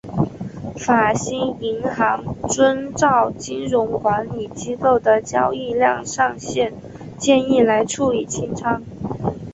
法兴银行遵照金融管理机构的交易量上限建议来处理清仓。